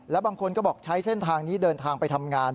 แล้วบางคนก็บอกใช้เส้นทางนี้เดินทางไปทำงาน